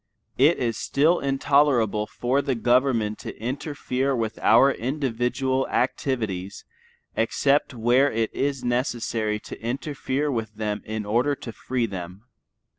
It is still intolerable for the government to interfere with our individual activities except where it is necessary to interfere with them in order to free them.